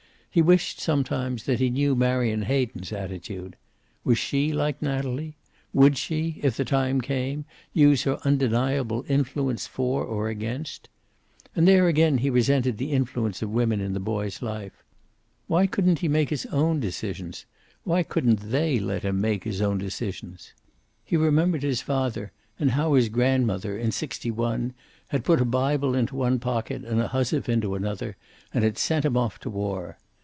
He wished, sometimes, that he knew Marion Hayden's attitude. Was she like Natalie? Would she, if the time came, use her undeniable influence for or against? And there again he resented the influence of women in the boy's life. Why couldn't he make his own decisions? Why couldn't they let him make his own decisions? He remembered his father, and how his grandmother, in '61, had put a Bible into one pocket and a housewife into another, and had sent him off to war.